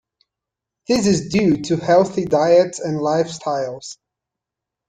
This is due to healthy diets and lifestyles.